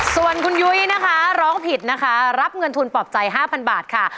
ส่วนคุณยุ้ยนะคะร้องผิดนะคะรับเงินทุนปลอบใจ๕๐๐บาทค่ะ